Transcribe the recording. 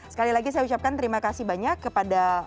sekali lagi saya ucapkan terima kasih banyak kepada